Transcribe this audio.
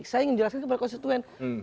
saya ingin jelaskan kepada konstituen